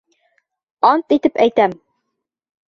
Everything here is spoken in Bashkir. Ант итеп әйтәм!